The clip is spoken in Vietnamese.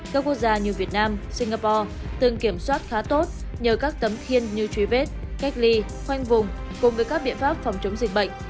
các quốc gia như việt nam singapore từng kiểm soát khá tốt nhờ các tấm khiên như truy vết cách ly khoanh vùng cùng với các biện pháp phòng chống dịch bệnh